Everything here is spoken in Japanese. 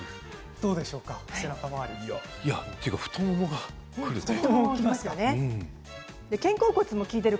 どうでしょうか。というか、太ももがくる。